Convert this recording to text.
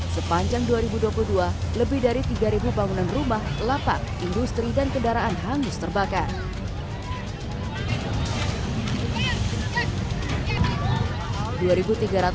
sepanjang dua ribu dua puluh dua lebih dari tiga bangunan rumah lapak industri dan kendaraan hangus terbakar